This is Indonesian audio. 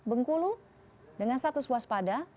bengkulu dengan status waspada